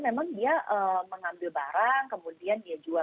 memang dia mengambil barang kemudian dia jual